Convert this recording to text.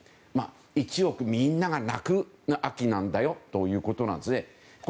一億みんながなく秋なんだよということなんですね。